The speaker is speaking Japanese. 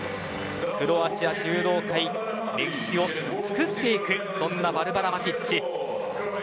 クロアチア柔道界、歴史を作っていくそんなバルバラ・マティッチです。